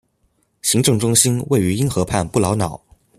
行政中心位于因河畔布劳瑙。